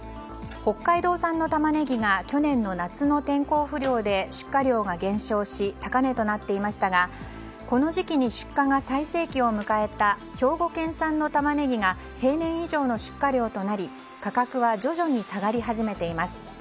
北海道産のタマネギが去年の夏の天候不良で出荷量が減少し高値となっていましたがこの時期に出荷が最盛期を迎えた兵庫県産のタマネギが平年以上の出荷量となり価格は徐々に下がり始めています。